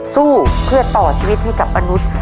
สู้เพื่อต่อชีวิตให้กับป้านุษย์